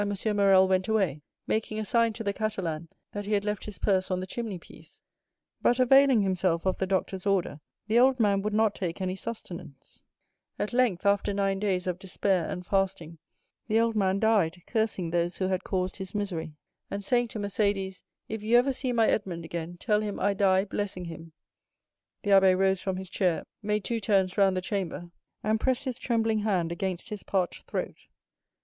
Morrel went away, making a sign to the Catalan that he had left his purse on the chimney piece; but, availing himself of the doctor's order, the old man would not take any sustenance; at length (after nine days of despair and fasting), the old man died, cursing those who had caused his misery, and saying to Mercédès, 'If you ever see my Edmond again, tell him I die blessing him.'" The abbé rose from his chair, made two turns round the chamber, and pressed his trembling hand against his parched throat.